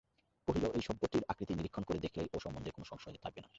কহিল, এই সভ্যটির আকৃতি নিরীক্ষণ করে দেখলেই ও সম্বন্ধে কোনো সংশয় থাকবে না।